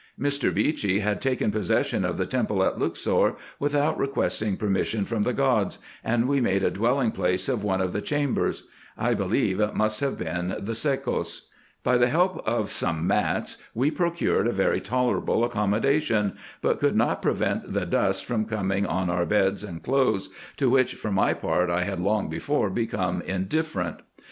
Mr. Beechey had taken possession of the temple at Luxor, without requesting per mission from the Gods, and we made a dwelling place of one of the chambers : I believe it must have been the sekos. By the help of some mats we procured a very tolerable accommodation, but could not prevent the dust from coming on our beds, and clothes, to which for my part I had long before become indifferent.